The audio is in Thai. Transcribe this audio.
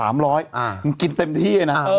มันกินเต็มที่นะ